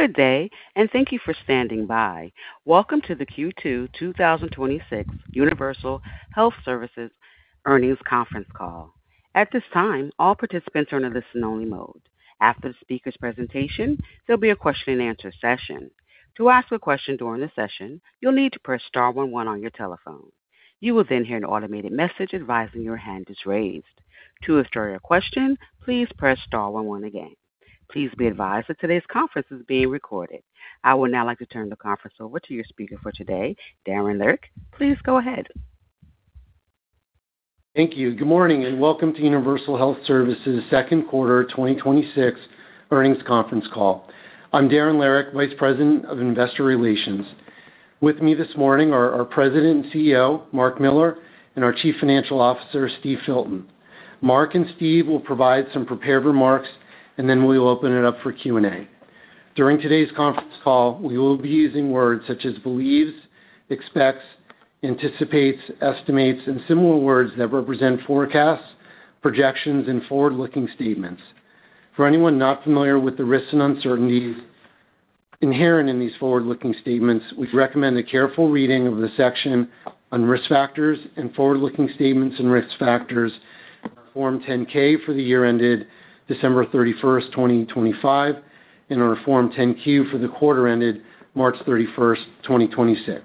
Good day. Thank you for standing by. Welcome to the Q2 2026 Universal Health Services Earnings Conference Call. At this time, all participants are in a listen only mode. After the speaker's presentation, there'll be a question and answer session. To ask a question during the session, you'll need to press star one one on your telephone. You will then hear an automated message advising your hand is raised. To withdraw your question, please press star one one again. Please be advised that today's conference is being recorded. I would now like to turn the conference over to your speaker for today, Darren Lehrich. Please go ahead. Thank you. Good morning. Welcome to Universal Health Services Q2 2026 Earnings Conference Call. I'm Darren Lehrich, Vice President of Investor Relations. With me this morning are our President and CEO, Marc Miller, and our Chief Financial Officer, Steve Filton. Marc and Steve will provide some prepared remarks. Then we will open it up for Q&A. During today's conference call, we will be using words such as believes, expects, anticipates, estimates, and similar words that represent forecasts, projections, and forward-looking statements. For anyone not familiar with the risks and uncertainties inherent in these forward-looking statements, we recommend a careful reading of the section on risk factors and forward-looking statements and risk factors Form 10-K for the year ended December 31st, 2025, and our Form 10-Q for the quarter ended March 31st, 2026.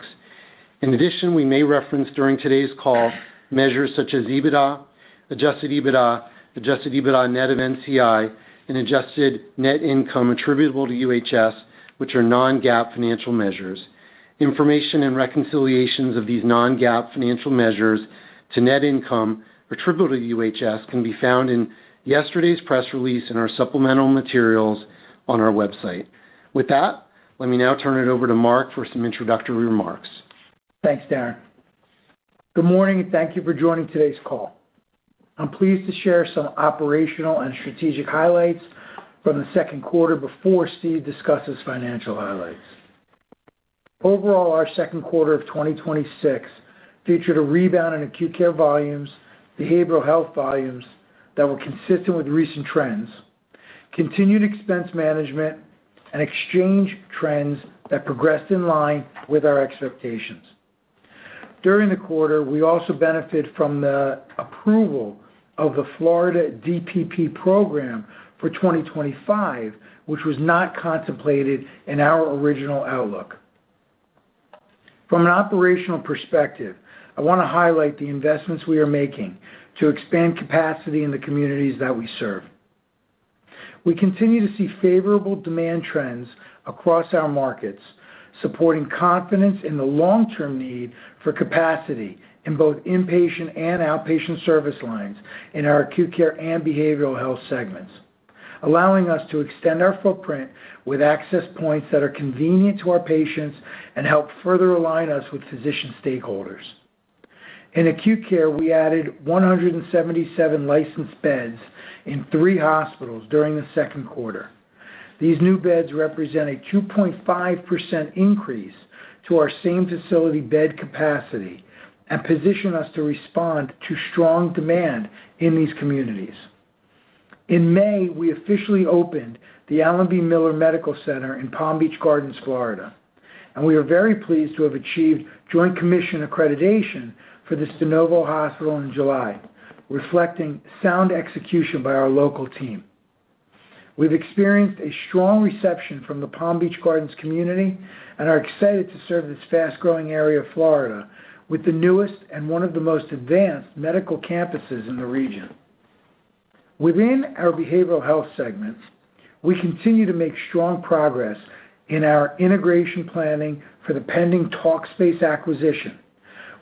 In addition, we may reference during today's call measures such as EBITDA, adjusted EBITDA, adjusted EBITDA net of NCI, and adjusted net income attributable to UHS, which are non-GAAP financial measures. Information and reconciliations of these non-GAAP financial measures to net income attributable to UHS can be found in yesterday's press release and our supplemental materials on our website. With that, let me now turn it over to Marc for some introductory remarks. Thanks, Darren. Good morning. Thank you for joining today's call. I'm pleased to share some operational and strategic highlights from the Q2 before Steve discusses financial highlights. Overall, our Q2 of 2026 featured a rebound in acute care volumes, behavioral health volumes that were consistent with recent trends, continued expense management, and exchange trends that progressed in line with our expectations. During the quarter, we also benefit from the approval of the Florida DPP program for 2025, which was not contemplated in our original outlook. From an operational perspective, I want to highlight the investments we are making to expand capacity in the communities that we serve. We continue to see favorable demand trends across our markets, supporting confidence in the long-term need for capacity in both inpatient and outpatient service lines in our acute care and behavioral health segments, allowing us to extend our footprint with access points that are convenient to our patients and help further align us with physician stakeholders. In acute care, we added 177 licensed beds in three hospitals during the Q2. These new beds represent a 2.5% increase to our same facility bed capacity and position us to respond to strong demand in these communities. In May, we officially opened the Alan B. Miller Medical Center in Palm Beach Gardens, Florida, and we are very pleased to have achieved Joint Commission accreditation for this de novo hospital in July, reflecting sound execution by our local team. We've experienced a strong reception from the Palm Beach Gardens community and are excited to serve this fast-growing area of Florida with the newest and one of the most advanced medical campuses in the region. Within our behavioral health segments, we continue to make strong progress in our integration planning for the pending Talkspace acquisition,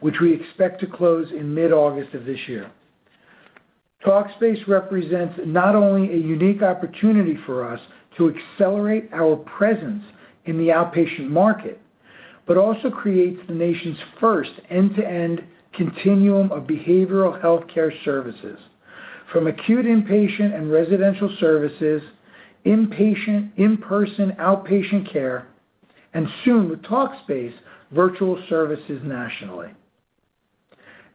which we expect to close in mid-August of this year. Talkspace represents not only a unique opportunity for us to accelerate our presence in the outpatient market, but also creates the nation's first end-to-end continuum of behavioral healthcare services from acute inpatient and residential services, inpatient, in-person outpatient care, and soon with Talkspace, virtual services nationally.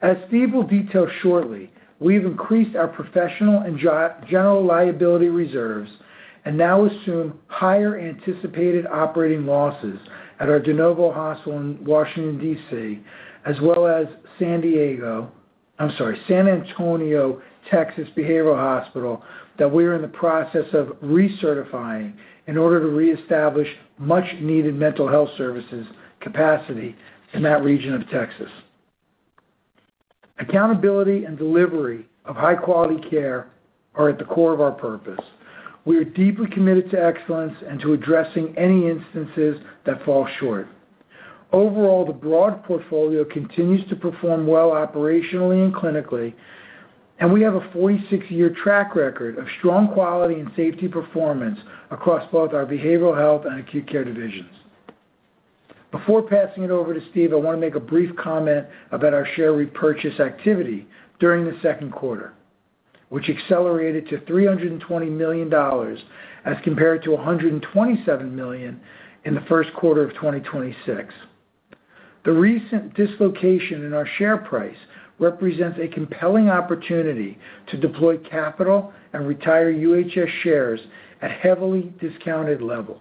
As Steve will detail shortly, we've increased our professional and general liability reserves and now assume higher anticipated operating losses at our de novo hospital in Washington, D.C., as well as San Antonio, Texas Behavioral Hospital that we are in the process of recertifying in order to reestablish much needed mental health services capacity in that region of Texas. Accountability and delivery of high quality care are at the core of our purpose. We are deeply committed to excellence and to addressing any instances that fall short. Overall, the broad portfolio continues to perform well operationally and clinically. We have a 46-year track record of strong quality and safety performance across both our behavioral health and acute care divisions. Before passing it over to Steve, I want to make a brief comment about our share repurchase activity during the Q2, which accelerated to $320 million as compared to $127 million in the Q1 of 2026. The recent dislocation in our share price represents a compelling opportunity to deploy capital and retire UHS shares at heavily discounted levels.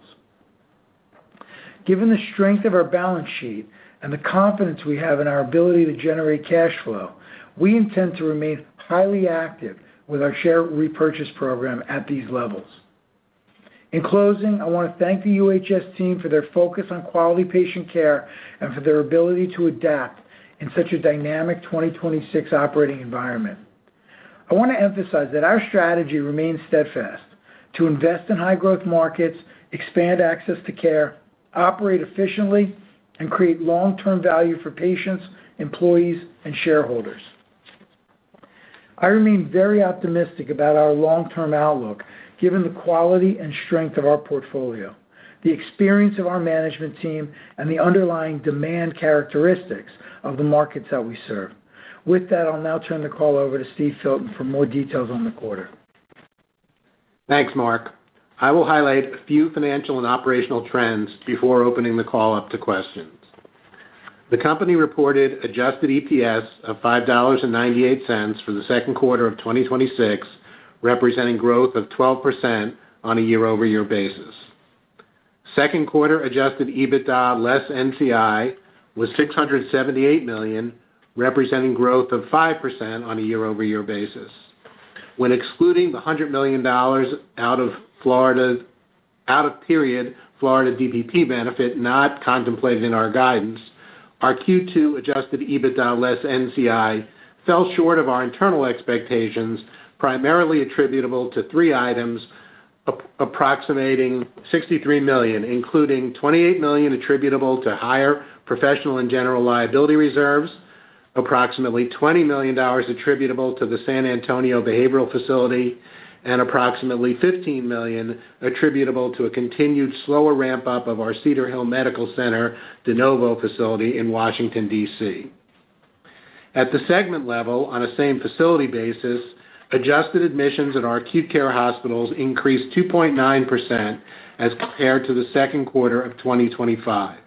Given the strength of our balance sheet and the confidence we have in our ability to generate cash flow, we intend to remain highly active with our share repurchase program at these levels. In closing, I want to thank the UHS team for their focus on quality patient care and for their ability to adapt in such a dynamic 2026 operating environment. I want to emphasize that our strategy remains steadfast: to invest in high-growth markets, expand access to care, operate efficiently, and create long-term value for patients, employees, and shareholders. I remain very optimistic about our long-term outlook, given the quality and strength of our portfolio, the experience of our management team, and the underlying demand characteristics of the markets that we serve. With that, I'll now turn the call over to Steve G. Filton for more details on the quarter. Thanks, Marc. I will highlight a few financial and operational trends before opening the call up to questions. The company reported adjusted EPS of $5.98 for the Q2 of 2026, representing growth of 12% on a year-over-year basis. Q2 adjusted EBITDA less NCI was $678 million, representing growth of 5% on a year-over-year basis. When excluding the $100 million out of period Florida DPP benefit not contemplated in our guidance, our Q2 adjusted EBITDA less NCI fell short of our internal expectations, primarily attributable to three items approximating $63 million, including $28 million attributable to higher professional and general liability reserves, approximately $20 million attributable to the San Antonio Behavioral Facility, and approximately $15 million attributable to a continued slower ramp-up of our Cedar Hill Regional Medical Center GW Health de novo facility in Washington, D.C. At the segment level, on a same-facility basis, adjusted admissions at our acute care hospitals increased 2.9% as compared to the Q2 of 2025.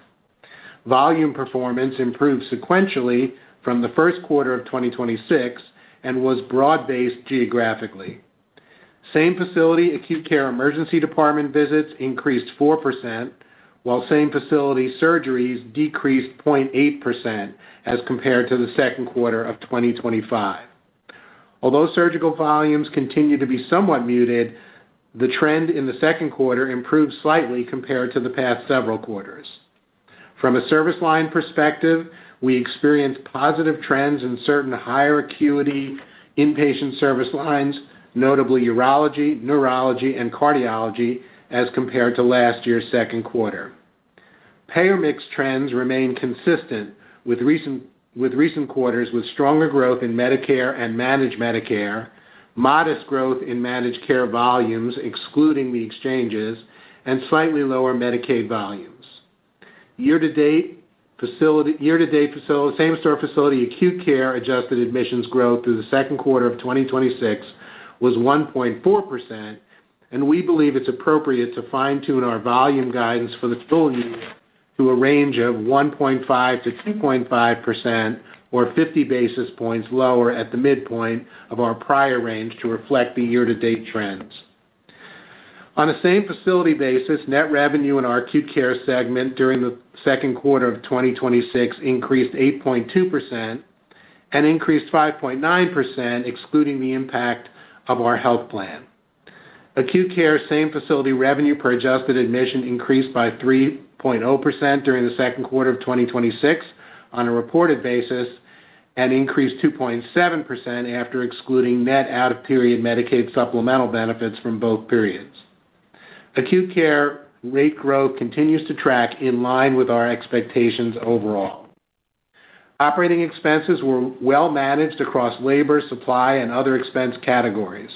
Volume performance improved sequentially from the Q1 of 2026 and was broad-based geographically. Same-facility acute care emergency department visits increased 4%, while same-facility surgeries decreased 0.8% as compared to the Q2 of 2025. Although surgical volumes continue to be somewhat muted, the trend in the Q2 improved slightly compared to the past several quarters. From a service line perspective, we experienced positive trends in certain higher acuity inpatient service lines, notably urology, neurology, and cardiology as compared to last year's Q2. Payer mix trends remain consistent with recent quarters, with stronger growth in Medicare and Managed Medicare, modest growth in managed care volumes, excluding the exchanges, and slightly lower Medicaid volumes. Year-to-date, same-store facility acute care adjusted admissions growth through the Q2 of 2026 was 1.4%, and we believe it's appropriate to fine-tune our volume guidance for the full year to a range of 1.5%-2.5%, or 50 basis points lower at the midpoint of our prior range to reflect the year-to-date trends. On a same-facility basis, net revenue in our acute care segment during the Q2 of 2026 increased 8.2% and increased 5.9%, excluding the impact of our health plan. Acute care same-facility revenue per adjusted admission increased by 3.0% during the Q2 of 2026 on a reported basis and increased 2.7% after excluding net out-of-period Medicaid supplemental benefits from both periods. Acute care rate growth continues to track in line with our expectations overall. Operating expenses were well managed across labor, supply, and other expense categories.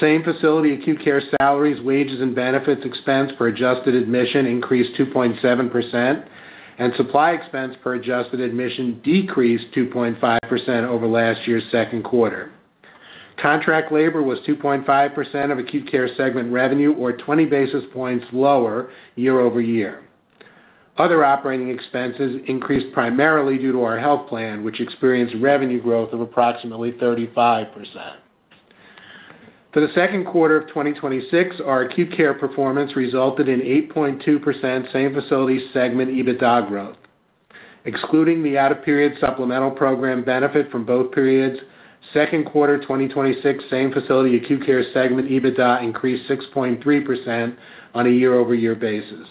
Same-facility acute care salaries, wages, and benefits expense per adjusted admission increased 2.7%, and supply expense per adjusted admission decreased 2.5% over last year's Q2. Contract labor was 2.5% of acute care segment revenue, or 20 basis points lower year-over-year. Other operating expenses increased primarily due to our health plan, which experienced revenue growth of approximately 35%. For the Q2 of 2026, our acute care performance resulted in 8.2% same-facility segment EBITDA growth. Excluding the out-of-period supplemental program benefit from both periods, Q2 2026 same-facility acute care segment EBITDA increased 6.3% on a year-over-year basis.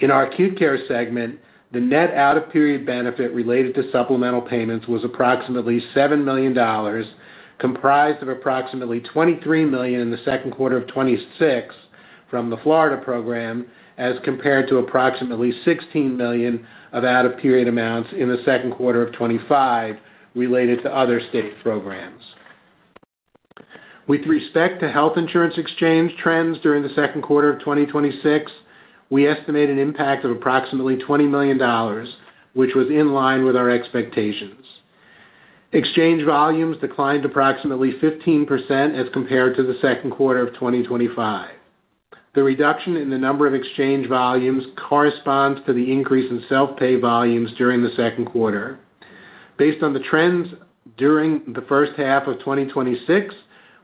In our acute care segment, the net out-of-period benefit related to supplemental payments was approximately $7 million, comprised of approximately $23 million in the Q2 of 2026 from the Florida program, as compared to approximately $16 million of out-of-period amounts in the Q2 of 2025 related to other state programs. With respect to health insurance exchange trends during the Q2 of 2026, we estimate an impact of approximately $20 million, which was in line with our expectations. Exchange volumes declined approximately 15% as compared to the Q2 of 2025. The reduction in the number of exchange volumes corresponds to the increase in self-pay volumes during the Q2. Based on the trends during the first half of 2026,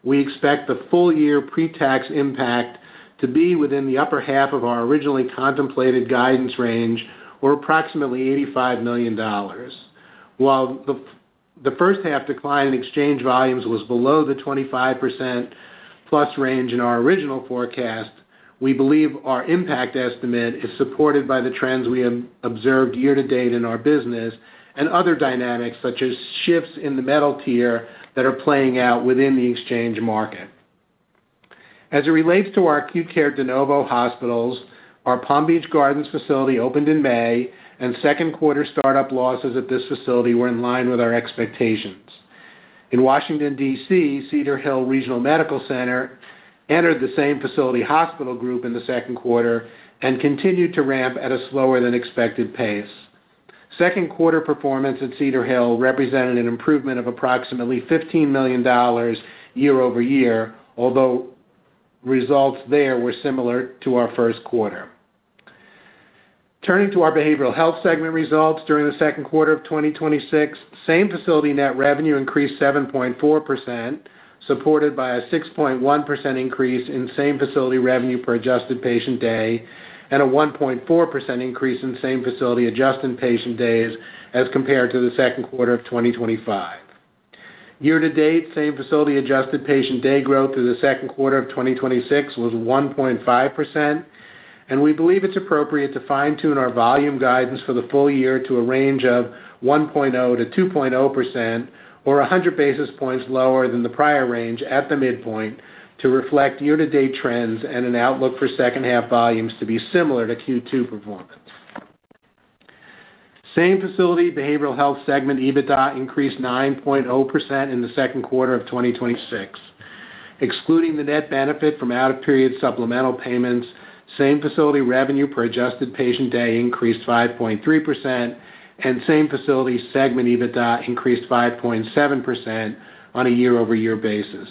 we expect the full year pre-tax impact to be within the upper half of our originally contemplated guidance range, or approximately $85 million. While the first half decline in exchange volumes was below the 25%+ range in our original forecast, we believe our impact estimate is supported by the trends we have observed year-to-date in our business and other dynamics, such as shifts in the metal tier that are playing out within the exchange market. As it relates to our acute care de novo hospitals, our Palm Beach Gardens facility opened in May, and Q2 start-up losses at this facility were in line with our expectations. In Washington, D.C., Cedar Hill Regional Medical Center entered the same facility hospital group in the Q2 and continued to ramp at a slower than expected pace. Q2 performance at Cedar Hill represented an improvement of approximately $15 million year-over-year, although results there were similar to our Q1. Turning to our behavioral health segment results during the Q2 of 2026, same facility net revenue increased 7.4%, supported by a 6.1% increase in same facility revenue per adjusted patient day and a 1.4% increase in same facility adjusted patient days as compared to the Q2 of 2025. Year-to-date, same facility adjusted patient day growth through the Q2 of 2026 was 1.5%, and we believe it's appropriate to fine-tune our volume guidance for the full year to a range of 1.0%-2.0%, or 100 basis points lower than the prior range at the midpoint to reflect year-to-date trends and an outlook for second half volumes to be similar to Q2 performance. Same facility behavioral health segment EBITDA increased 9.0% in the Q2 of 2026. Excluding the net benefit from out-of-period supplemental payments, same facility revenue per adjusted patient day increased 5.3%, and same facility segment EBITDA increased 5.7% on a year-over-year basis.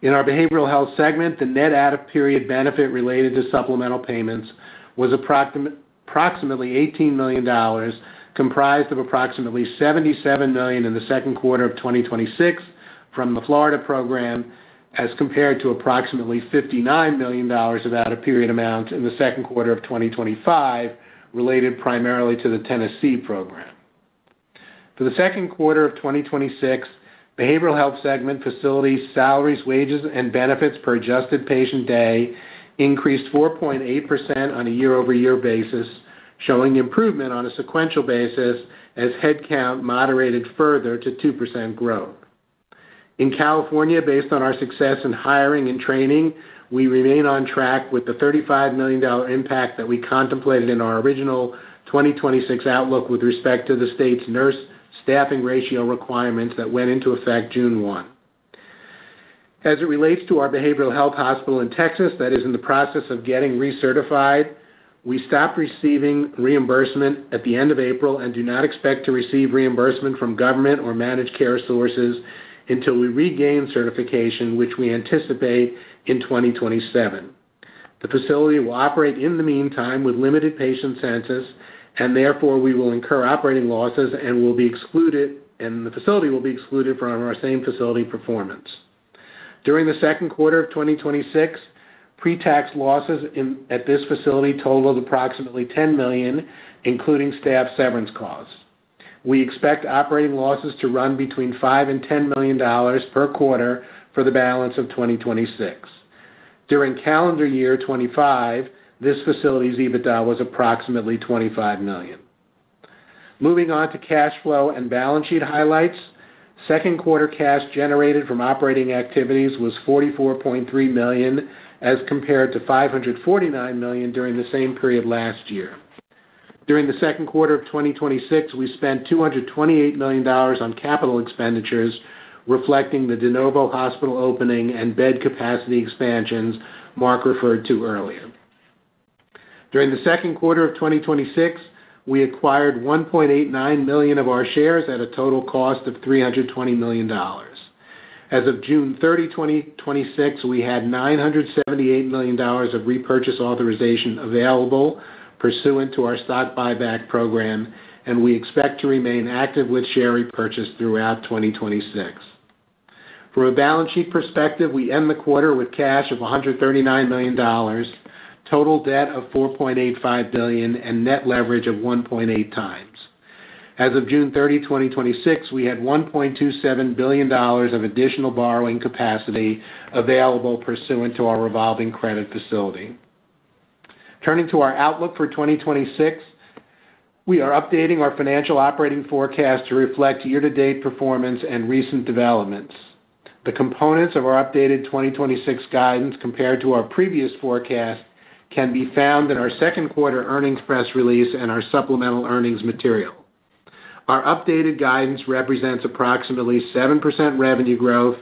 In our behavioral health segment, the net out-of-period benefit related to supplemental payments was approximately $18 million, comprised of approximately $77 million in the Q2 of 2026 from the Florida program, as compared to approximately $59 million of out-of-period amount in the Q2 of 2025, related primarily to the Tennessee program. For the Q2 of 2026, behavioral health segment facilities, salaries, wages, and benefits per adjusted patient day increased 4.8% on a year-over-year basis, showing improvement on a sequential basis as headcount moderated further to 2% growth. In California, based on our success in hiring and training, we remain on track with the $35 million impact that we contemplated in our original 2026 outlook with respect to the state's nurse staffing ratio requirements that went into effect June 1. As it relates to our behavioral health hospital in Texas that is in the process of getting recertified, we stopped receiving reimbursement at the end of April and do not expect to receive reimbursement from government or managed care sources until we regain certification, which we anticipate in 2027. The facility will operate in the meantime with limited patient census, and therefore, we will incur operating losses and the facility will be excluded from our same facility performance. During the Q2 of 2026, pre-tax losses at this facility totaled approximately $10 million, including staff severance costs. We expect operating losses to run between $5 million and $10 million per quarter for the balance of 2026. During calendar year 2025, this facility's EBITDA was approximately $25 million. Moving on to cash flow and balance sheet highlights. Q2 cash generated from operating activities was $44.3 million, as compared to $549 million during the same period last year. During the Q2 of 2026, we spent $228 million on capital expenditures, reflecting the de novo hospital opening and bed capacity expansions Marc referred to earlier. During the Q2 of 2026, we acquired 1.89 million of our shares at a total cost of $320 million. As of June 30, 2026, we had $978 million of repurchase authorization available pursuant to our stock buyback program, and we expect to remain active with share repurchase throughout 2026. From a balance sheet perspective, we end the quarter with cash of $139 million, total debt of $4.85 billion, and net leverage of 1.8 times. As of June 30, 2026, we had $1.27 billion of additional borrowing capacity available pursuant to our revolving credit facility. Turning to our outlook for 2026, we are updating our financial operating forecast to reflect year-to-date performance and recent developments. The components of our updated 2026 guidance compared to our previous forecast can be found in our Q2 earnings press release and our supplemental earnings material. Our updated guidance represents approximately 7% revenue growth,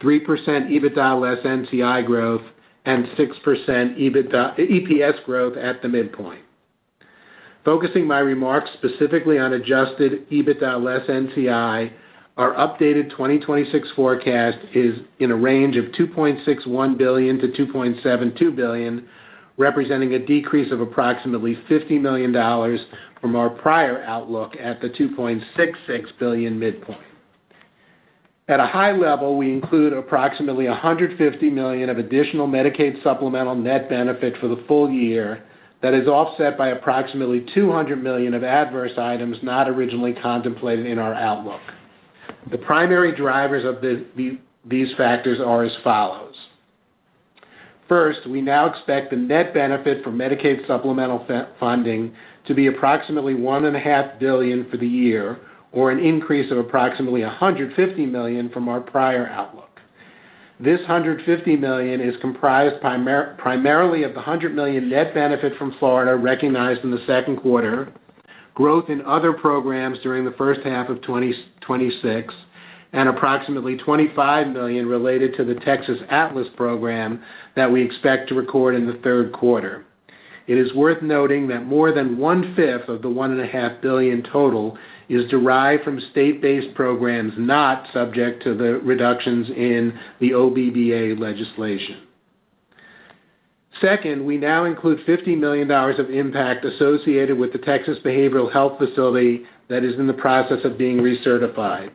3% EBITDA less NCI growth, and 6% EPS growth at the midpoint. Focusing my remarks specifically on adjusted EBITDA less NCI, our updated 2026 forecast is in a range of $2.61 billion-$2.72 billion, representing a decrease of approximately $50 million from our prior outlook at the $2.66 billion midpoint. At a high level, we include approximately $150 million of additional Medicaid supplemental net benefit for the full year that is offset by approximately $200 million of adverse items not originally contemplated in our outlook. The primary drivers of these factors are as follows. First, we now expect the net benefit for Medicaid supplemental funding to be approximately $1.5 billion for the year, or an increase of approximately $150 million from our prior outlook. This $150 million is comprised primarily of the $100 million net benefit from Florida recognized in the Q2, growth in other programs during the first half of 2026, and approximately $25 million related to the Texas ATLAS program that we expect to record in the Q3. It is worth noting that more than 1/5 of the one and a half billion total is derived from state-based programs not subject to the reductions in the OBBBA legislation. Second, we now include $50 million of impact associated with the Texas Behavioral Health facility that is in the process of being recertified.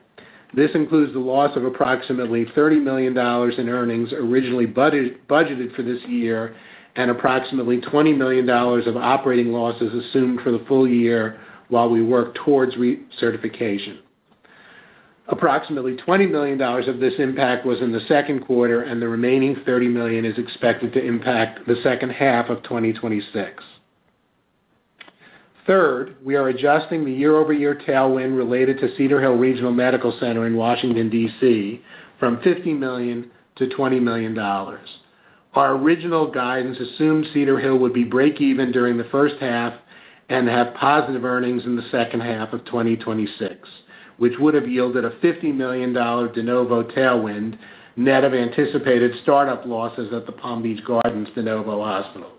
This includes the loss of approximately $30 million in earnings originally budgeted for this year, and approximately $20 million of operating losses assumed for the full year while we work towards recertification. Approximately $20 million of this impact was in the Q2, and the remaining $30 million is expected to impact the second half of 2026. Third, we are adjusting the year-over-year tailwind related to Cedar Hill Regional Medical Center in Washington, D.C., from $50 million to $20 million. Our original guidance assumed Cedar Hill would be break even during the first half and have positive earnings in the second half of 2026, which would have yielded a $50 million de novo tailwind, net of anticipated startup losses at the Palm Beach Gardens de novo hospital.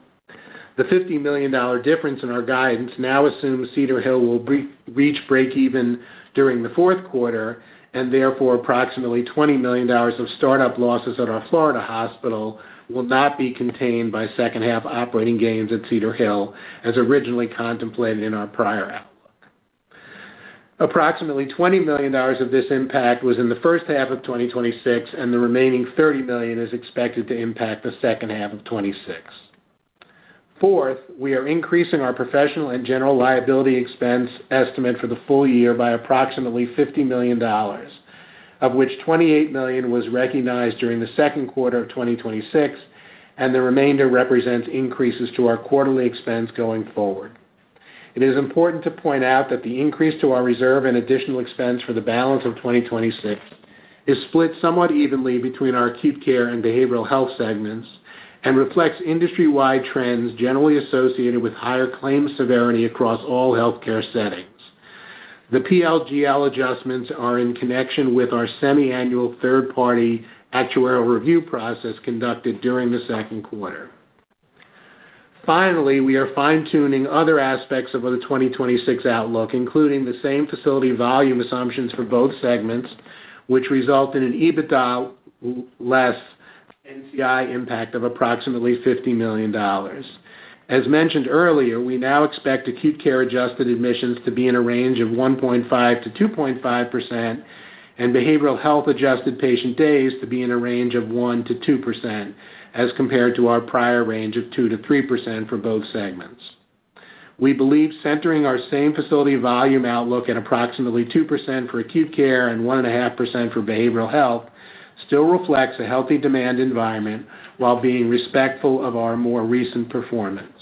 The $50 million difference in our guidance now assumes Cedar Hill will reach break even during the Q4, and therefore approximately $20 million of start-up losses at our Florida hospital will not be contained by second-half operating gains at Cedar Hill as originally contemplated in our prior outlook. Approximately $20 million of this impact was in the first half of 2026, and the remaining $30 million is expected to impact the second half of 2026. Fourth, we are increasing our professional and general liability expense estimate for the full year by approximately $50 million, of which $28 million was recognized during the Q2 of 2026, and the remainder represents increases to our quarterly expense going forward. It is important to point out that the increase to our reserve and additional expense for the balance of 2026 is split somewhat evenly between our acute care and behavioral health segments and reflects industry-wide trends generally associated with higher claim severity across all healthcare settings. The PLGL adjustments are in connection with our semi-annual third-party actuarial review process conducted during the Q2. Finally, we are fine-tuning other aspects of the 2026 outlook, including the same facility volume assumptions for both segments, which result in an EBITDA less NCI impact of approximately $50 million. As mentioned earlier, we now expect acute care adjusted admissions to be in a range of 1.5%-2.5%, and behavioral health adjusted patient days to be in a range of 1%-2%, as compared to our prior range of 2%-3% for both segments. We believe centering our same facility volume outlook at approximately 2% for acute care and 1.5% for behavioral health still reflects a healthy demand environment while being respectful of our more recent performance.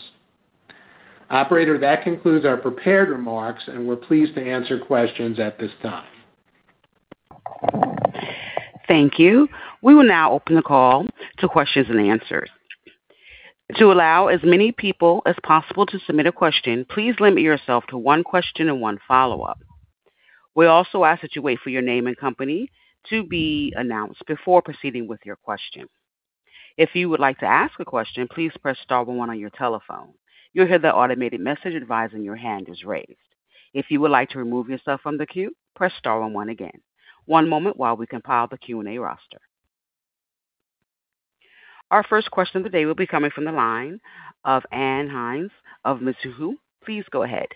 Operator, that concludes our prepared remarks. We're pleased to answer questions at this time. Thank you. We will now open the call to questions and answers. To allow as many people as possible to submit a question, please limit yourself to one question and one follow-up. We also ask that you wait for your name and company to be announced before proceeding with your question. If you would like to ask a question, please press star one on your telephone. You'll hear the automated message advising your hand is raised. If you would like to remove yourself from the queue, press star one again. One moment while we compile the Q&A roster. Our first question of the day will be coming from the line of Ann Hynes of Mizuho. Please go ahead.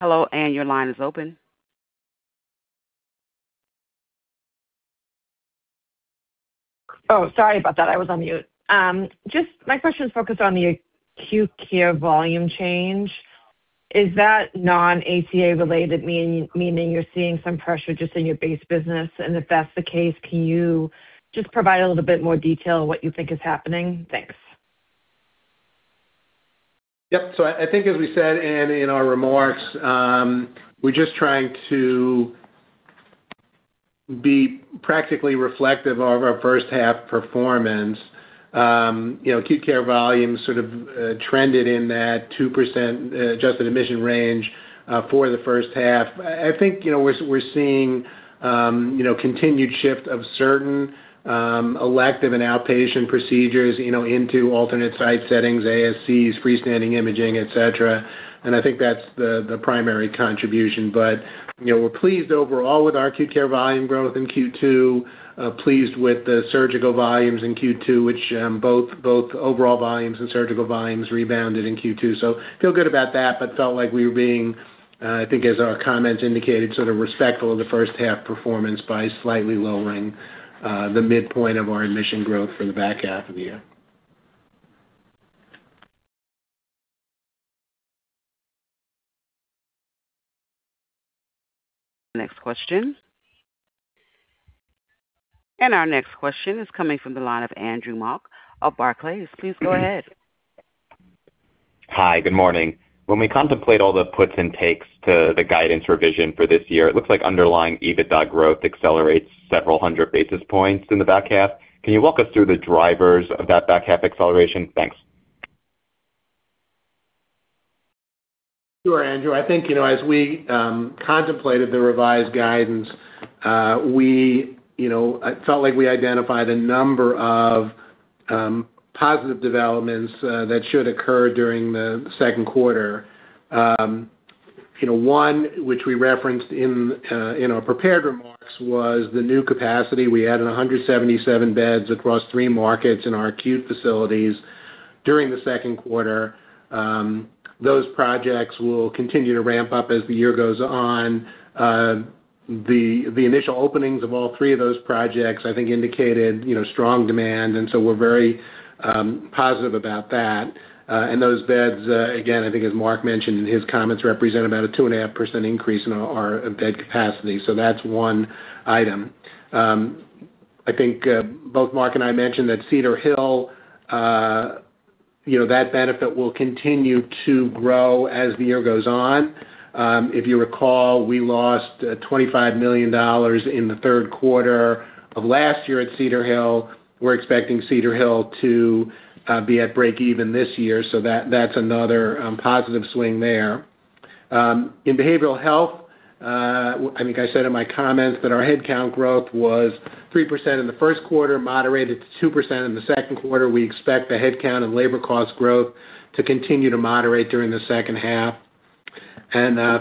Hello, Ann, your line is open. Sorry about that. I was on mute. My question is focused on the acute care volume change. Is that non-ACA related, meaning you're seeing some pressure just in your base business? If that's the case, can you just provide a little bit more detail on what you think is happening? Thanks. Yep. I think as we said, Ann, in our remarks, we're just trying to be practically reflective of our first half performance. Acute care volumes sort of trended in that 2% adjusted admission range for the first half. I think we're seeing continued shift of certain elective and outpatient procedures into alternate site settings, ASCs, freestanding imaging, et cetera. I think that's the primary contribution. We're pleased overall with our acute care volume growth in Q2, pleased with the surgical volumes in Q2, which both overall volumes and surgical volumes rebounded in Q2. Feel good about that, but felt like we were being, I think as our comments indicated, sort of respectful of the first half performance by slightly lowering the midpoint of our admission growth for the back half of the year. Next question. Our next question is coming from the line of Andrew Mok of Barclays. Please go ahead. Hi, good morning. When we contemplate all the puts and takes to the guidance revision for this year, it looks like underlying EBITDA growth accelerates several hundred basis points in the back half. Can you walk us through the drivers of that back half acceleration? Thanks. Sure, Andrew. I think, as we contemplated the revised guidance, it felt like we identified a number of positive developments that should occur during the Q2. One, which we referenced in our prepared remarks, was the new capacity. We added 177 beds across three markets in our acute facilities during the Q2. Those projects will continue to ramp up as the year goes on. The initial openings of all three of those projects, I think, indicated strong demand, we're very positive about that. Those beds, again, I think as Marc mentioned in his comments, represent about a 2.5% increase in our bed capacity. That's one item. I think both Marc and I mentioned that Cedar Hill, that benefit will continue to grow as the year goes on. If you recall, we lost $25 million in the Q3 of last year at Cedar Hill. We're expecting Cedar Hill to be at break even this year, that's another positive swing there. In behavioral health, I think I said in my comments that our headcount growth was 3% in the Q1, moderated to 2% in the Q2. We expect the headcount and labor cost growth to continue to moderate during the second half.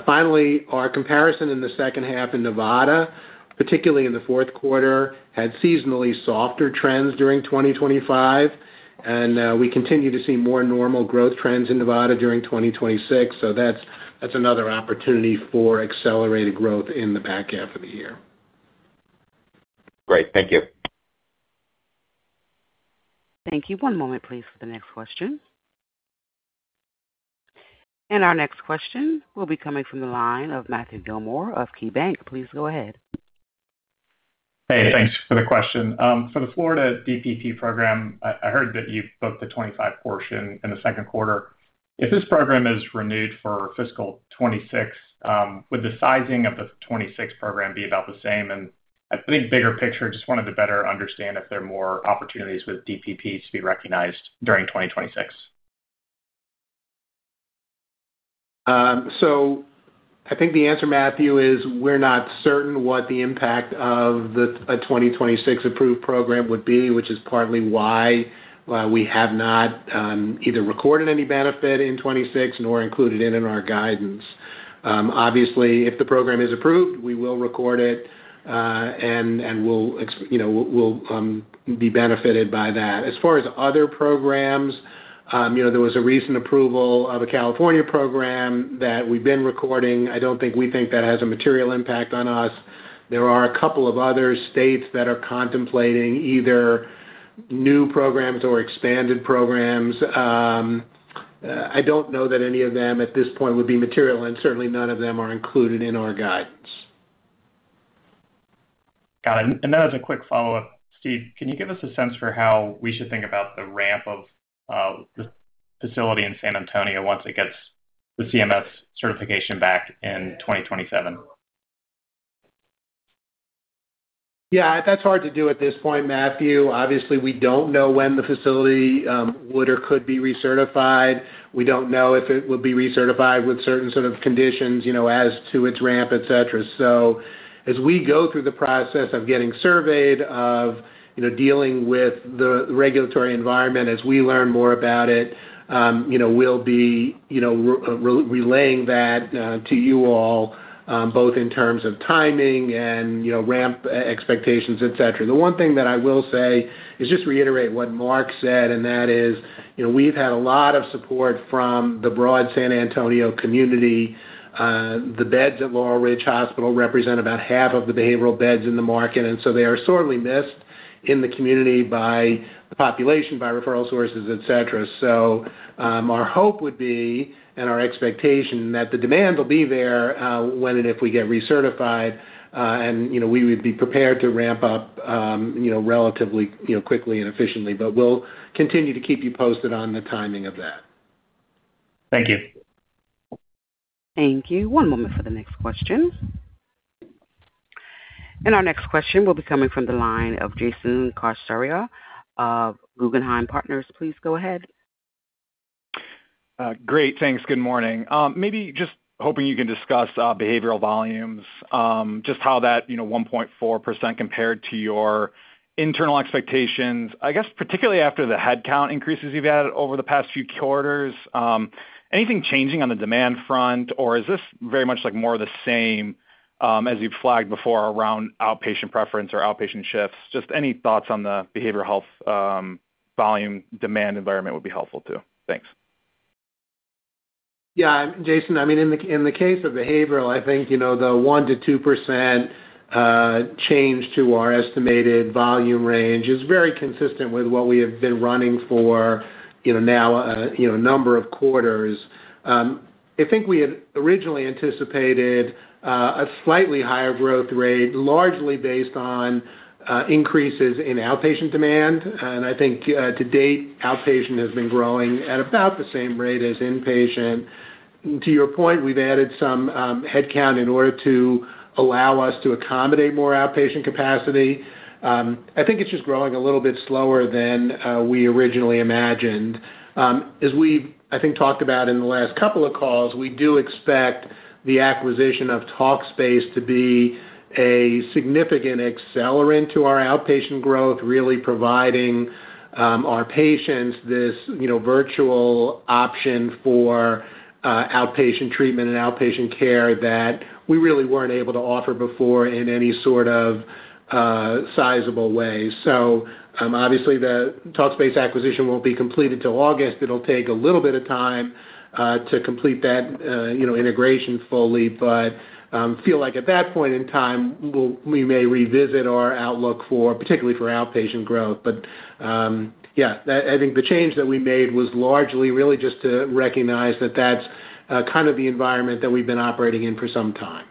Finally, our comparison in the second half in Nevada, particularly in the Q4, had seasonally softer trends during 2025. We continue to see more normal growth trends in Nevada during 2026. That's another opportunity for accelerated growth in the back half of the year. Great. Thank you. Thank you. One moment, please, for the next question. Our next question will be coming from the line of Matthew Gilmore of KeyBanc. Please go ahead. Hey, thanks for the question. For the Florida DPP program, I heard that you booked the 2025 portion in the Q2. If this program is renewed for fiscal 2026, would the sizing of the 2026 program be about the same? I think bigger picture, just wanted to better understand if there are more opportunities with DPPs to be recognized during 2026. I think the answer, Matthew, is we're not certain what the impact of a 2026 approved program would be, which is partly why we have not either recorded any benefit in 2026 nor included it in our guidance. Obviously, if the program is approved, we will record it, and we'll be benefited by that. As far as other programs, there was a recent approval of a California program that we've been recording. I don't think we think that has a material impact on us. There are a couple of other states that are contemplating either new programs or expanded programs. I don't know that any of them, at this point, would be material, and certainly none of them are included in our guidance. Got it. As a quick follow-up, Steve, can you give us a sense for how we should think about the ramp of the facility in San Antonio once it gets the CMS certification back in 2027? Yeah, that's hard to do at this point, Matthew. Obviously, we don't know when the facility would or could be recertified. We don't know if it would be recertified with certain sort of conditions, as to its ramp, et cetera. As we go through the process of getting surveyed, of dealing with the regulatory environment, as we learn more about it, we'll be relaying that to you all, both in terms of timing and ramp expectations, et cetera. The one thing that I will say is just reiterate what Marc said, that is, we've had a lot of support from the broad San Antonio community. The beds at Laurel Ridge Treatment Center represent about half of the behavioral beds in the market, they are sorely missed in the community by the population, by referral sources, et cetera. Our hope would be, and our expectation, that the demand will be there when and if we get recertified, and we would be prepared to ramp up relatively quickly and efficiently. We'll continue to keep you posted on the timing of that. Thank you. Thank you. One moment for the next question. Our next question will be coming from the line of Jason Cassorla of Guggenheim Partners. Please go ahead. Great. Thanks. Good morning. Maybe just hoping you can discuss behavioral volumes, just how that 1.4% compared to your internal expectations, I guess particularly after the headcount increases you've had over the past few quarters. Anything changing on the demand front? Or is this very much more the same as you've flagged before around outpatient preference or outpatient shifts? Just any thoughts on the behavioral health volume demand environment would be helpful too. Thanks. Yeah. Jason, in the case of behavioral, I think the 1%-2% change to our estimated volume range is very consistent with what we have been running for now a number of quarters. I think we had originally anticipated a slightly higher growth rate, largely based on increases in outpatient demand. I think to date, outpatient has been growing at about the same rate as inpatient. To your point, we've added some headcount in order to allow us to accommodate more outpatient capacity. I think it's just growing a little bit slower than we originally imagined. As we, I think, talked about in the last couple of calls, we do expect the acquisition of Talkspace to be a significant accelerant to our outpatient growth, really providing our patients this virtual option for outpatient treatment and outpatient care that we really weren't able to offer before in any sort of sizable way. Obviously the Talkspace acquisition won't be completed till August. It'll take a little bit of time to complete that integration fully. But feel like at that point in time, we may revisit our outlook, particularly for outpatient growth. Yeah, I think the change that we made was largely really just to recognize that that's kind of the environment that we've been operating in for some time.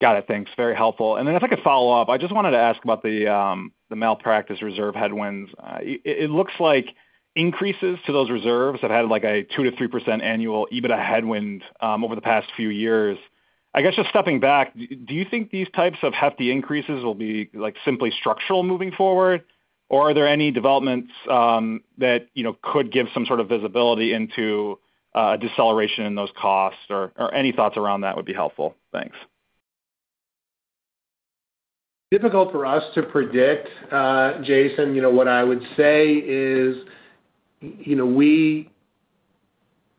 Got it. Thanks. Very helpful. If I could follow up, I just wanted to ask about the malpractice reserve headwinds. It looks like increases to those reserves have had a 2%-3% annual EBITDA headwind over the past few years. I guess just stepping back, do you think these types of hefty increases will be simply structural moving forward? Are there any developments that could give some sort of visibility into a deceleration in those costs? Any thoughts around that would be helpful. Thanks. Difficult for us to predict, Jason. What I would say is we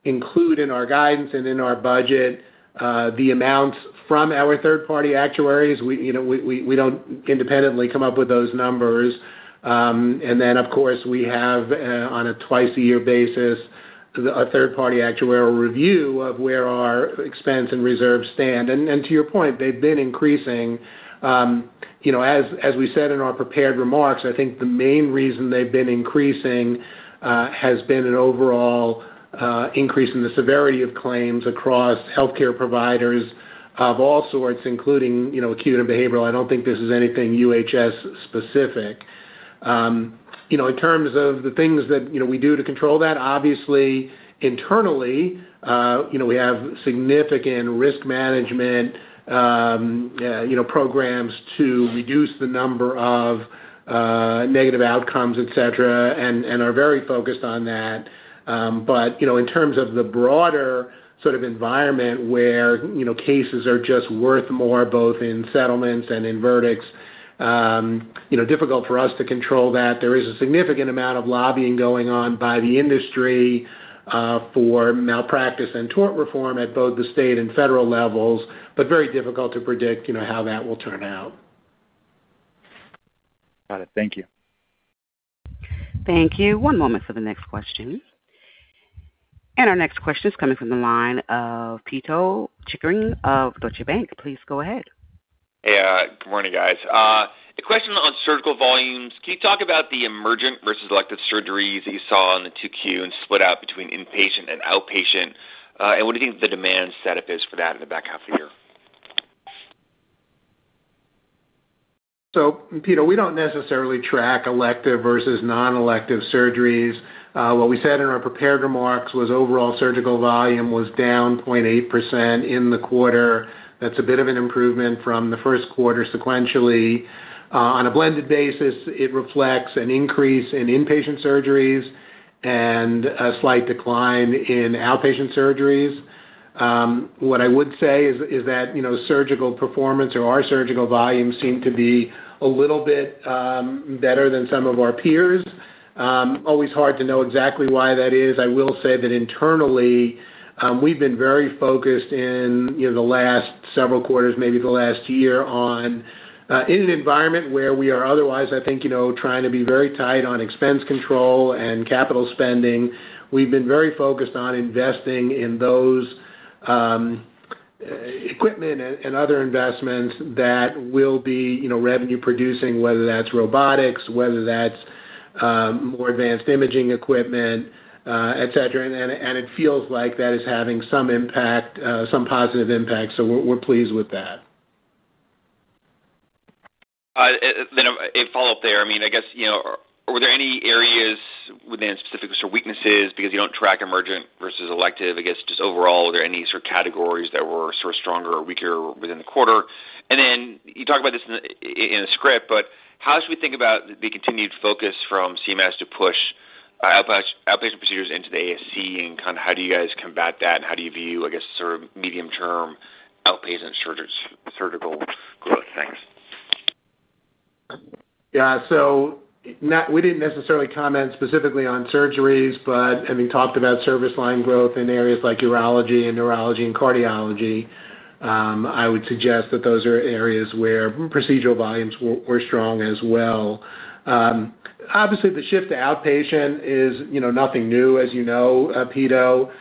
include in our guidance and in our budget, the amounts from our third-party actuaries. We do not independently come up with those numbers. Of course, we have, on a twice a year basis, a third-party actuarial review of where our expense and reserves stand. To your point, they've been increasing. As we said in our prepared remarks, I think the main reason they've been increasing has been an overall increase in the severity of claims across healthcare providers of all sorts, including acute and behavioral. I do not think this is anything UHS specific. In terms of the things that we do to control that, obviously internally, we have significant risk management programs to reduce the number of negative outcomes, et cetera, and are very focused on that. In terms of the broader sort of environment where cases are just worth more, both in settlements and in verdicts, difficult for us to control that. There is a significant amount of lobbying going on by the industry, for malpractice and tort reform at both the state and federal levels, very difficult to predict how that will turn out. Got it. Thank you. Thank you. One moment for the next question. Our next question is coming from the line of Pito Chickering of Deutsche Bank. Please go ahead. Yeah. Good morning, guys. A question on surgical volumes. Can you talk about the emergent versus elective surgeries that you saw in the 2Q and split out between inpatient and outpatient? What do you think the demand setup is for that in the back half of the year? Pito, we don't necessarily track elective versus non-elective surgeries. What we said in our prepared remarks was overall surgical volume was down 0.8% in the quarter. That's a bit of an improvement from the Q1 sequentially. On a blended basis, it reflects an increase in inpatient surgeries and a slight decline in outpatient surgeries. What I would say is that surgical performance or our surgical volumes seem to be a little bit better than some of our peers. Always hard to know exactly why that is. I will say that internally, we've been very focused in the last several quarters, maybe the last year, in an environment where we are otherwise, I think, trying to be very tight on expense control and capital spending. We've been very focused on investing in those equipment and other investments that will be revenue producing, whether that's robotics, whether that's more advanced imaging equipment, et cetera, it feels like that is having some positive impact, we're pleased with that. A follow-up there. I guess, were there any areas within specific sort of weaknesses because you don't track emergent versus elective? I guess just overall, are there any sort of categories that were sort of stronger or weaker within the quarter? You talk about this in a script, but how should we think about the continued focus from CMS to push outpatient procedures into the ASC and kind of how do you guys combat that and how do you view, I guess sort of medium-term outpatient surgical growth? Thanks. Yeah. We didn't necessarily comment specifically on surgeries, but we talked about service line growth in areas like urology and neurology and cardiology. I would suggest that those are areas where procedural volumes were strong as well. Obviously, the shift to outpatient is nothing new as you know, Pito.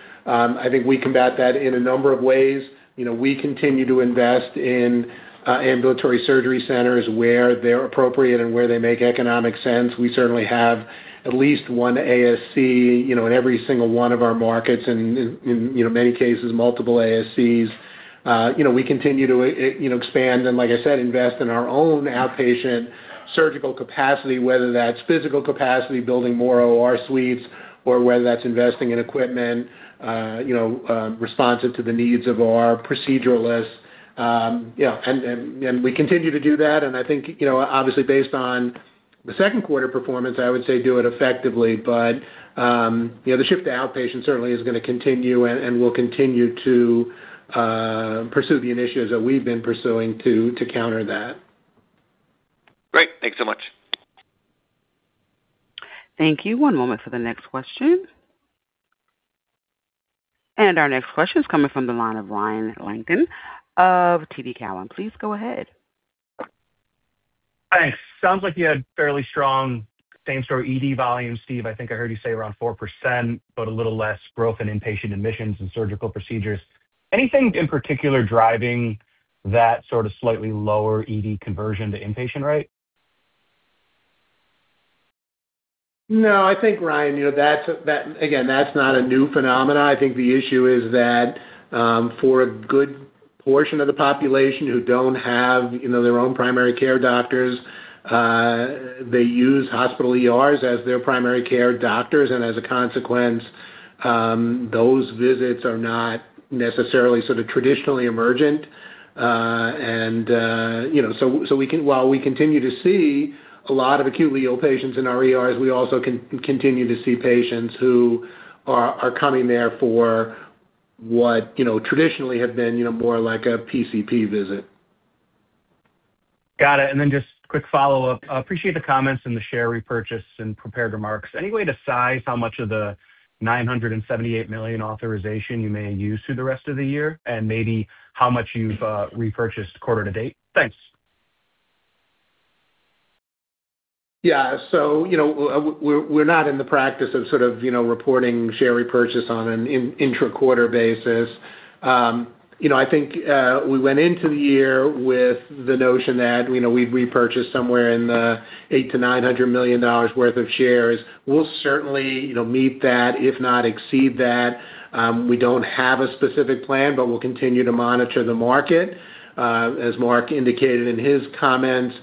We combat that in a number of ways. We continue to invest in Ambulatory Surgery Centers where they're appropriate and where they make economic sense. We certainly have at least one ASC in every single one of our markets, and in many cases, multiple ASCs. We continue to expand and like I said, invest in our own outpatient surgical capacity, whether that's physical capacity, building more OR suites or whether that's investing in equipment responsive to the needs of our proceduralists. We continue to do that, and I think, obviously based on the Q2 performance, I would say do it effectively. The shift to outpatient certainly is going to continue and we'll continue to pursue the initiatives that we've been pursuing to counter that. Great. Thanks so much. Thank you. One moment for the next question. Our next question is coming from the line of Ryan Langston of TD Cowen. Please go ahead. Thanks. Sounds like you had fairly strong same-store ED volumes, Steve. I think I heard you say around 4%, a little less growth in inpatient admissions and surgical procedures. Anything in particular driving that sort of slightly lower ED conversion to inpatient rate? No. I think, Ryan, again, that's not a new phenomenon. I think the issue is that, for a good portion of the population who don't have their own primary care doctors, they use hospital ERs as their primary care doctors, as a consequence, those visits are not necessarily sort of traditionally emergent. While we continue to see a lot of acutely ill patients in our ERs, we also continue to see patients who are coming there for what traditionally had been more like a PCP visit. Got it. Just quick follow-up. Appreciate the comments and the share repurchase and prepared remarks. Any way to size how much of the $978 million authorization you may use through the rest of the year and maybe how much you've repurchased quarter to date? Thanks. Yeah. We're not in the practice of sort of reporting share repurchase on an intra-quarter basis. I think we went into the year with the notion that we'd repurchase somewhere in the $800 million-$900 million worth of shares. We'll certainly meet that, if not exceed that. We don't have a specific plan, we'll continue to monitor the market. As Marc indicated in his comments,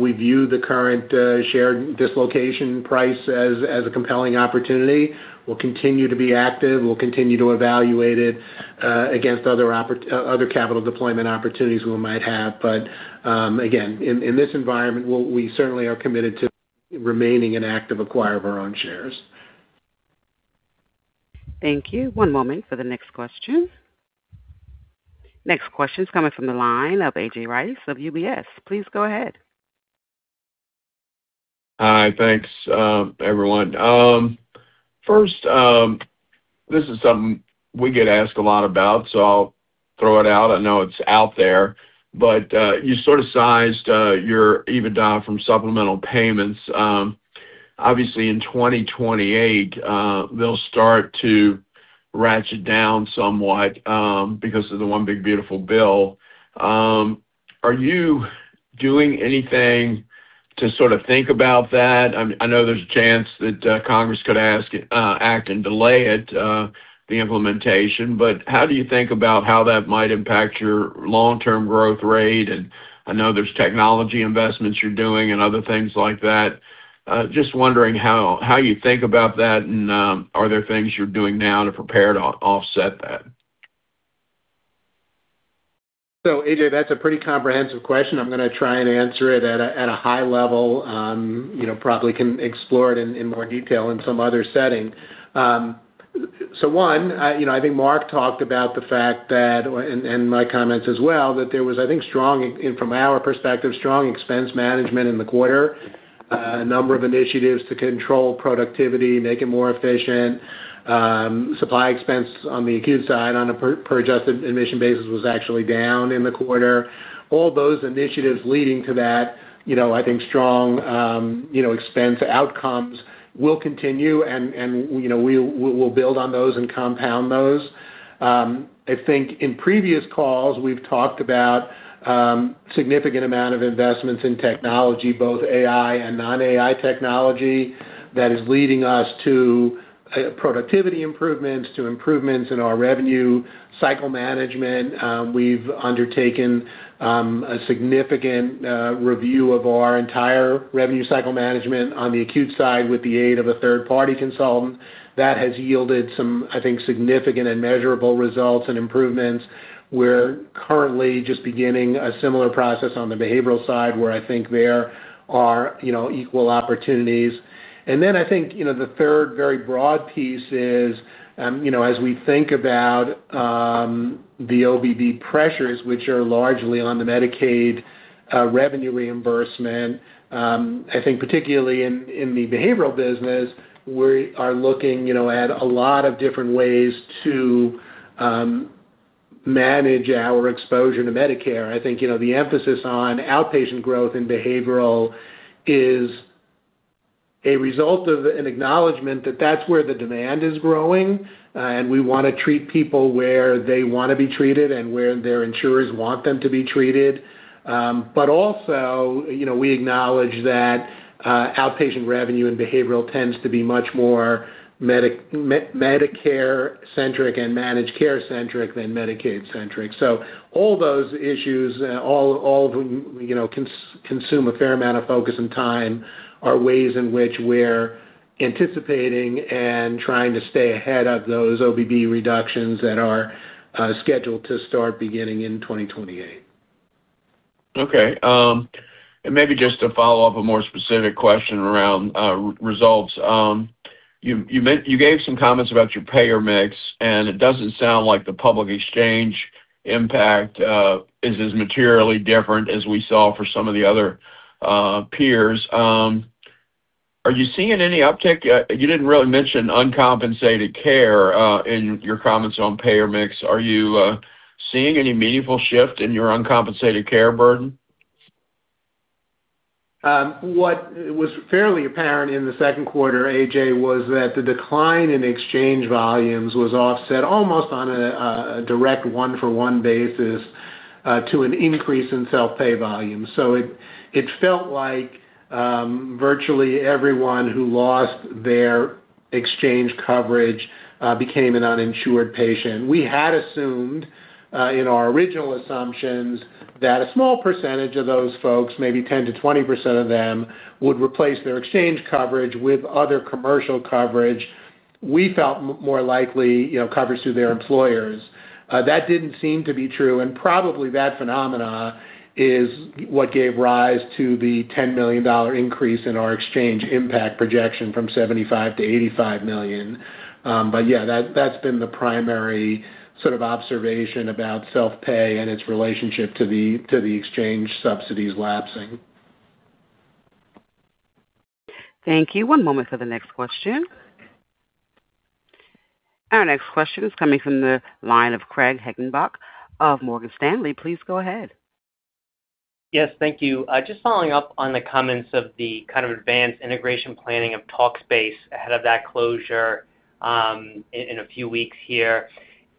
we view the current share dislocation price as a compelling opportunity. We'll continue to be active. We'll continue to evaluate it against other capital deployment opportunities we might have. Again, in this environment, we certainly are committed to remaining an active acquirer of our own shares. Thank you. One moment for the next question. Next question is coming from the line of A.J. Rice of UBS. Please go ahead. Hi. Thanks, everyone. First, this is something we get asked a lot about, I'll throw it out. I know it's out there, you sort of sized your EBITDA from supplemental payments. Obviously, in 2028, they'll start to ratchet down somewhat, because of the One Big Beautiful Bill Act. Are you doing anything to sort of think about that? I know there's a chance that Congress could act and delay it, the implementation, how do you think about how that might impact your long-term growth rate? I know there's technology investments you're doing and other things like that. Just wondering how you think about that, are there things you're doing now to prepare to offset that? A.J., that's a pretty comprehensive question. I'm going to try and answer it at a high level. Probably can explore it in more detail in some other setting. One, I think Marc talked about the fact that, my comments as well, that there was, I think from our perspective, strong expense management in the quarter. A number of initiatives to control productivity, make it more efficient. Supply expense on the acute side on a per adjusted admission basis was actually down in the quarter. All those initiatives leading to that, I think strong expense outcomes will continue, we will build on those and compound those. I think in previous calls, we've talked about significant amount of investments in technology, both AI and non-AI technology that is leading us to productivity improvements, to improvements in our revenue cycle management. We've undertaken a significant review of our entire revenue cycle management on the acute side with the aid of a third-party consultant. That has yielded some significant and measurable results and improvements. We're currently just beginning a similar process on the behavioral side, where there are equal opportunities. The third very broad piece is, as we think about the OBB pressures which are largely on the Medicaid revenue reimbursement, particularly in the behavioral business, we are looking at a lot of different ways to manage our exposure to Medicare. The emphasis on outpatient growth in behavioral is a result of an acknowledgment that that's where the demand is growing, and we want to treat people where they want to be treated and where their insurers want them to be treated. Also, we acknowledge that outpatient revenue and behavioral tends to be much more Medicare-centric and managed care-centric than Medicaid-centric. All those issues, all of them consume a fair amount of focus and time, are ways in which we're anticipating and trying to stay ahead of those OBB reductions that are scheduled to start beginning in 2028. Maybe just to follow up, a more specific question around results. You gave some comments about your payer mix, it doesn't sound like the public exchange impact is as materially different as we saw for some of the other peers. Are you seeing any uptick? You didn't really mention uncompensated care in your comments on payer mix. Are you seeing any meaningful shift in your uncompensated care burden? What was fairly apparent in the Q2, A.J., was that the decline in exchange volumes was offset almost on a direct one-for-one basis to an increase in self-pay volume. It felt like virtually everyone who lost their exchange coverage became an uninsured patient. We had assumed in our original assumptions that a small percentage of those folks, maybe 10%-20% of them, would replace their exchange coverage with other commercial coverage. We felt more likely, coverage through their employers. That didn't seem to be true, probably that phenomena is what gave rise to the $10 million increase in our exchange impact projection from $75 million-$85 million. That's been the primary sort of observation about self-pay and its relationship to the exchange subsidies lapsing. Thank you. One moment for the next question. Our next question is coming from the line of Craig Hettenbach of Morgan Stanley. Please go ahead. Yes, thank you. Just following up on the comments of the kind of advanced integration planning of Talkspace ahead of that closure in a few weeks here.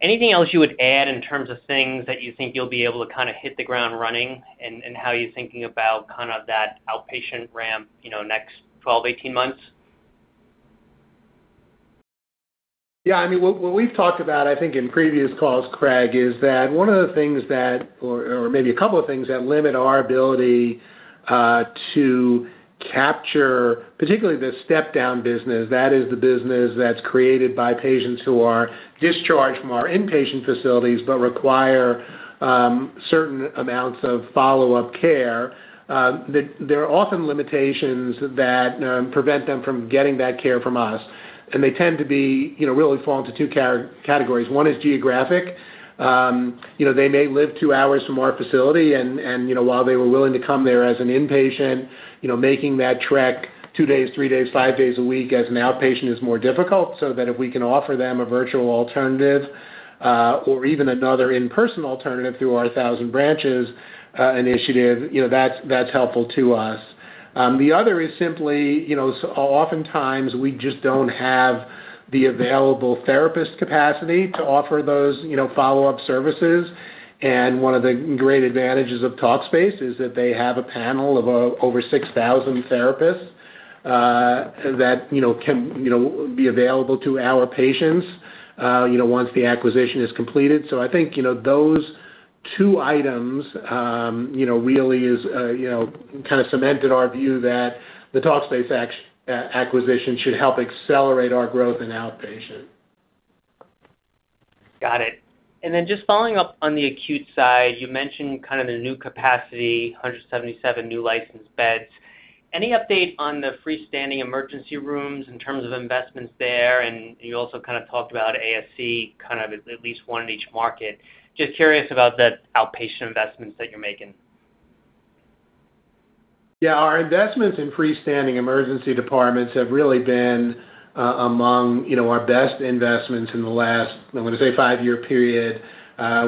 Anything else you would add in terms of things that you think you'll be able to hit the ground running, and how you're thinking about that outpatient ramp, next 12, 18 months? Yeah. What we've talked about, I think in previous calls, Craig, is that one of the things that, or maybe a couple of things that limit our ability to capture, particularly the step-down business. That is the business that's created by patients who are discharged from our inpatient facilities but require certain amounts of follow-up care. There are often limitations that prevent them from getting that care from us, and they tend to really fall into two categories. One is geographic. They may live two hours from our facility and while they were willing to come there as an inpatient, making that trek two days, three days, five days a week as an outpatient is more difficult. If we can offer them a virtual alternative, or even another in-person alternative through our Thousand Branches initiative, that's helpful to us. The other is simply, oftentimes, we just don't have the available therapist capacity to offer those follow-up services. One of the great advantages of Talkspace is that they have a panel of over 6,000 therapists that can be available to our patients once the acquisition is completed. I think, those two items really kind of cemented our view that the Talkspace acquisition should help accelerate our growth in outpatient. Got it. Just following up on the acute side, you mentioned kind of the new capacity, 177 new licensed beds. Any update on the freestanding emergency rooms in terms of investments there? You also kind of talked about ASC, kind of at least one in each market. Just curious about the outpatient investments that you're making. Yeah. Our investments in freestanding emergency departments have really been among our best investments in the last, I want to say, five-year period.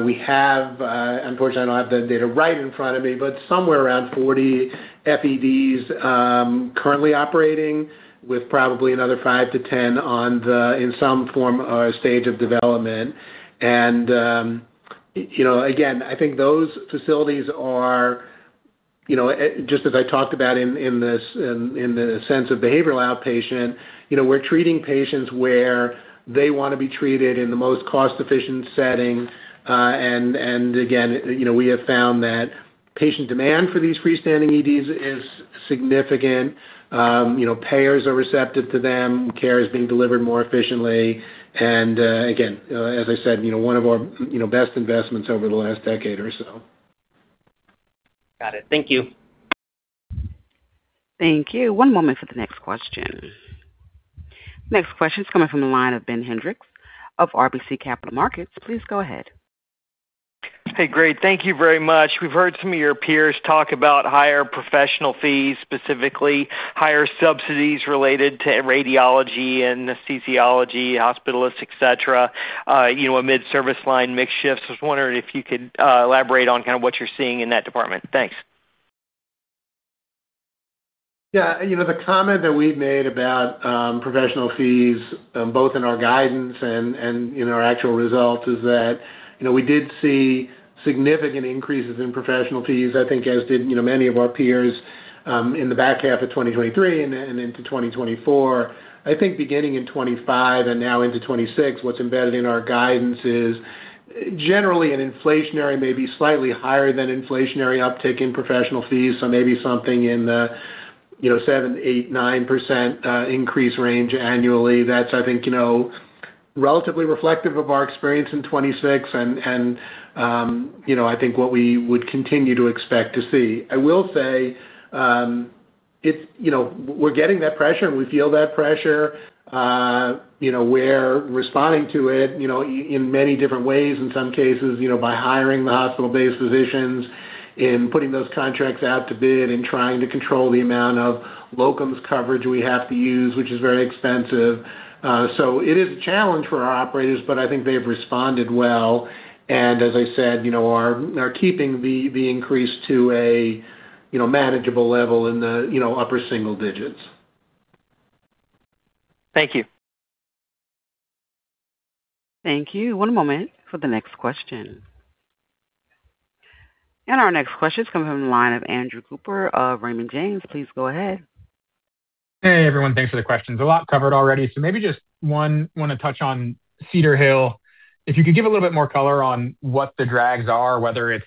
We have, unfortunately, I don't have the data right in front of me, but somewhere around 40 FEDs currently operating with probably another 5-10 in some form or stage of development. Again, I think those facilities are Just as I talked about in the sense of behavioral outpatient, we're treating patients where they want to be treated in the most cost-efficient setting. Again, we have found that patient demand for these freestanding EDs is significant. Payers are receptive to them. Care is being delivered more efficiently. Again, as I said, one of our best investments over the last decade or so. Got it. Thank you. Thank you. One moment for the next question. Next question is coming from the line of Ben Hendrix of RBC Capital Markets. Please go ahead. Great. Thank you very much. We've heard some of your peers talk about higher professional fees, specifically higher subsidies related to radiology, anesthesiology, hospitalists, et cetera, amid service line mix shifts. I was wondering if you could elaborate on what you're seeing in that department. Thanks. The comment that we've made about professional fees, both in our guidance and in our actual results, is that we did see significant increases in professional fees, I think as did many of our peers, in the back half of 2023 and into 2024. I think beginning in 2025 and now into 2026, what's embedded in our guidance is generally an inflationary, maybe slightly higher than inflationary uptick in professional fees. Maybe something in the 7%, 8%, 9% increase range annually. That's, I think, relatively reflective of our experience in 2026 and I think what we would continue to expect to see. I will say, we're getting that pressure, and we feel that pressure. We're responding to it in many different ways, in some cases by hiring the hospital-based physicians, in putting those contracts out to bid, and trying to control the amount of locums coverage we have to use, which is very expensive. It is a challenge for our operators, but I think they've responded well. As I said, are keeping the increase to a manageable level in the upper single digits. Thank you. Thank you. One moment for the next question. Our next question is coming from the line of Andrew Cooper of Raymond James. Please go ahead. Hey, everyone. Thanks for the questions. A lot covered already. Maybe just one, want to touch on Cedar Hill. If you could give a little bit more color on what the drags are, whether it's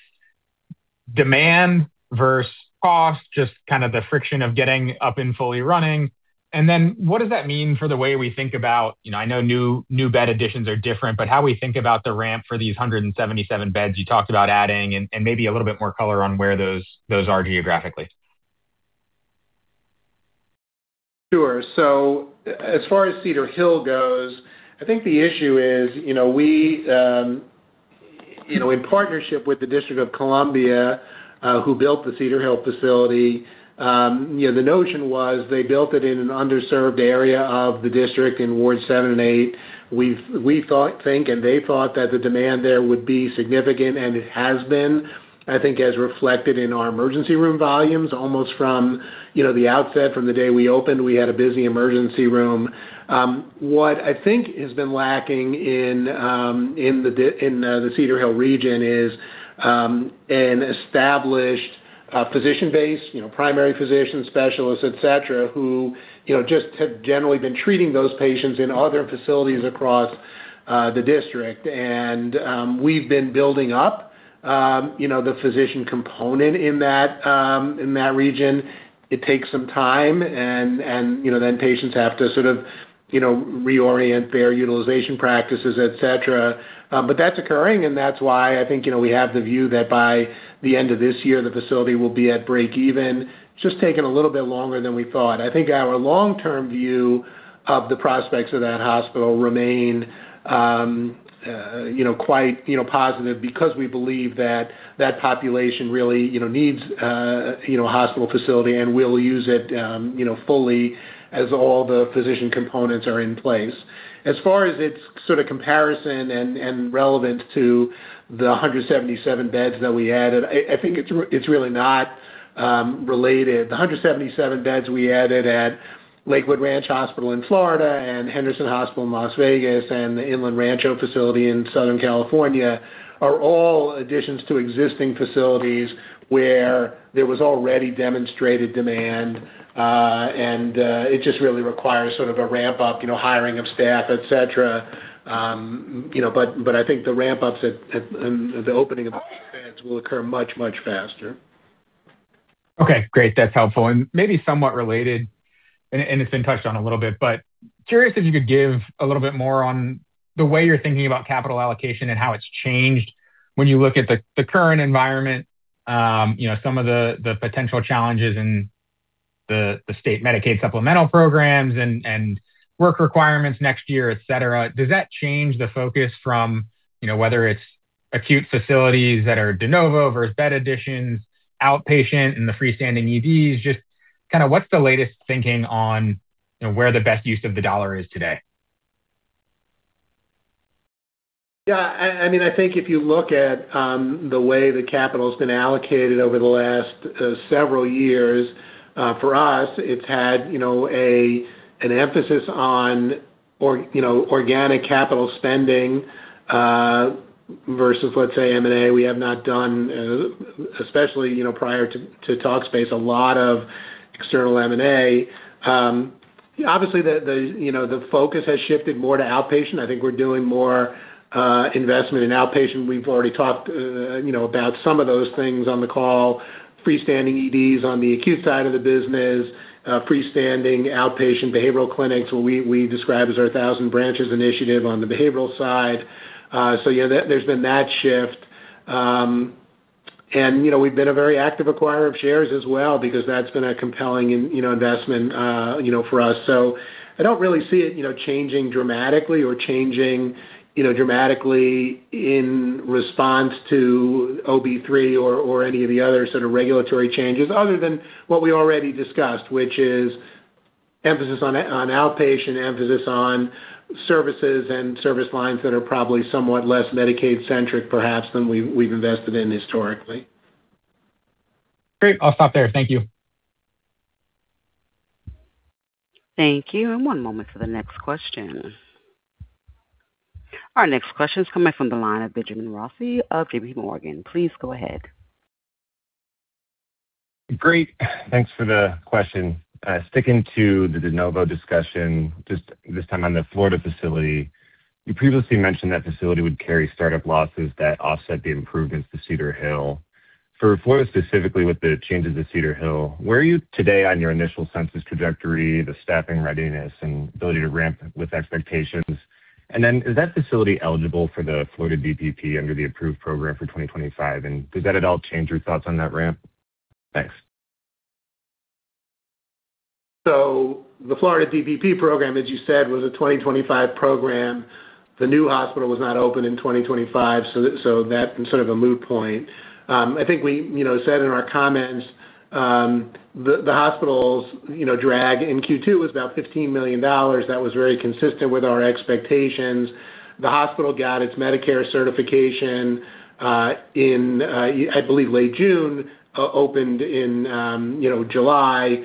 demand versus cost, just the friction of getting up and fully running. Then what does that mean for the way we think about-- I know new bed additions are different, but how we think about the ramp for these 177 beds you talked about adding, and maybe a little bit more color on where those are geographically. Sure. As far as Cedar Hill goes, I think the issue is, in partnership with the District of Columbia, who built the Cedar Hill facility, the notion was they built it in an underserved area of the district in Ward 7 and 8. We think, and they thought, that the demand there would be significant, and it has been. I think as reflected in our emergency room volumes, almost from the outset from the day we opened, we had a busy emergency room. What I think has been lacking in the Cedar Hill region is an established physician base, primary physicians, specialists, et cetera, who just have generally been treating those patients in other facilities across the district. We've been building up the physician component in that region. It takes some time, and then patients have to sort of reorient their utilization practices, et cetera. That's occurring, and that's why I think we have the view that by the end of this year, the facility will be at breakeven. It's just taken a little bit longer than we thought. I think our long-term view of the prospects of that hospital remain quite positive because we believe that that population really needs a hospital facility and will use it fully as all the physician components are in place. As far as its comparison and relevance to the 177 beds that we added, I think it's really not related. The 177 beds we added at Lakewood Ranch Medical Center in Florida and Henderson Hospital in Las Vegas and the Rancho Springs Medical Center in Southern California are all additions to existing facilities where there was already demonstrated demand. It just really requires a ramp-up, hiring of staff, et cetera. I think the ramp-ups and the opening of those beds will occur much, much faster. Okay, great. That's helpful. And maybe somewhat related, and it's been touched on a little bit, but curious if you could give a little bit more on the way you're thinking about capital allocation and how it's changed when you look at the current environment, some of the potential challenges in the state Medicaid supplemental programs and work requirements next year, et cetera. Does that change the focus from whether it's acute facilities that are de novo versus bed additions, outpatient and the freestanding EDs? Just what's the latest thinking on where the best use of the dollar is today? Yeah. I think if you look at the way the capital's been allocated over the last several years, for us, it's had an emphasis on organic capital spending versus, let's say, M&A, we have not done, especially prior to Talkspace, a lot of external M&A. Obviously, the focus has shifted more to outpatient. I think we're doing more investment in outpatient. We've already talked about some of those things on the call. Freestanding EDs on the acute side of the business, freestanding outpatient behavioral clinics, what we describe as our Thousand Branches initiative on the behavioral side. Yeah, there's been that shift. We've been a very active acquirer of shares as well because that's been a compelling investment for us. I don't really see it changing dramatically or changing dramatically in response to OB3 or any of the other sort of regulatory changes other than what we already discussed, which is emphasis on outpatient, emphasis on services and service lines that are probably somewhat less Medicaid-centric, perhaps, than we've invested in historically. Great. I'll stop there. Thank you. Thank you. One moment for the next question. Our next question is coming from the line of Benjamin Rossi of JPMorgan. Please go ahead. Great. Thanks for the question. Sticking to the de novo discussion, just this time on the Florida facility. You previously mentioned that facility would carry startup losses that offset the improvements to Cedar Hill. For Florida specifically, with the changes at Cedar Hill, where are you today on your initial census trajectory, the staffing readiness, and ability to ramp with expectations? Then is that facility eligible for the Florida DPP under the approved program for 2025, and does that at all change your thoughts on that ramp? Thanks. The Florida DPP program, as you said, was a 2025 program. The new hospital was not open in 2025, so that's sort of a moot point. I think we said in our comments, the hospital's drag in Q2 was about $15 million. That was very consistent with our expectations. The hospital got its Medicare certification in, I believe, late June, opened in July.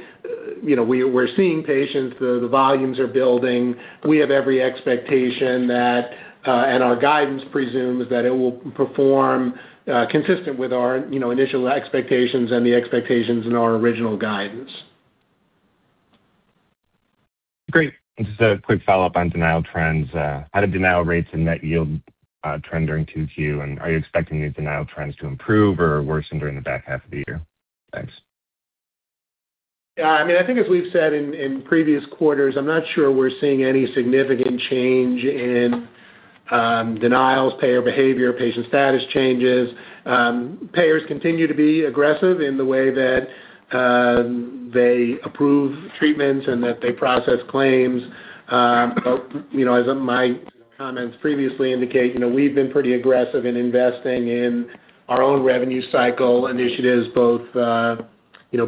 We're seeing patients. The volumes are building. We have every expectation that, and our guidance presumes, that it will perform consistent with our initial expectations and the expectations in our original guidance. Great. Just a quick follow-up on denial trends. How do denial rates and net yield trend during Q2, and are you expecting these denial trends to improve or worsen during the back half of the year? Thanks. Yeah, I think as we've said in previous quarters, I'm not sure we're seeing any significant change in denials, payer behavior, patient status changes. Payers continue to be aggressive in the way that they approve treatments and that they process claims. As my comments previously indicate, we've been pretty aggressive in investing in our own revenue cycle initiatives, both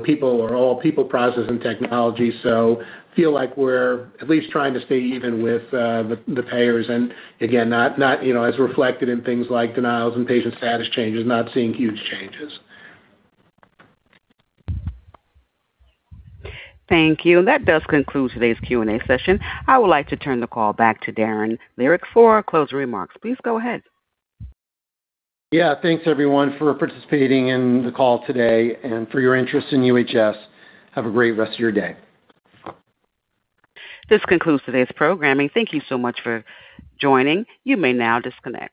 people process and technology. Feel like we're at least trying to stay even with the payers, and again, as reflected in things like denials and patient status changes, not seeing huge changes. Thank you. That does conclude today's Q&A session. I would like to turn the call back to Darren Lehrich for our closing remarks. Please go ahead. Yeah. Thanks, everyone, for participating in the call today and for your interest in UHS. Have a great rest of your day. This concludes today's programming. Thank you so much for joining. You may now disconnect.